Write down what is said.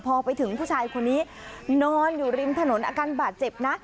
พอไปถึงผู้ชายคนนี้นอนอยู่ริมถนนอาการบาดเจ็บนะ